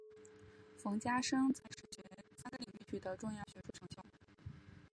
冯家升在史学三个领域取得重要学术成就。